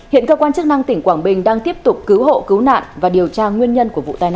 hiện cơ quan chức năng tỉnh quảng bình đang tiếp tục cứu hộ cứu nạn và điều tra nguyên nhân của vụ tai nạn